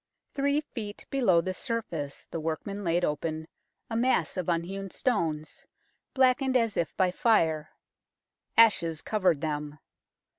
Three feet below the surface the workmen laid open a mass of unhewn stones, blackened as if by fire. Ashes covered them.